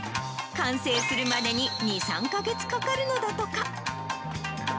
完成するまでに２、３か月かかるのだとか。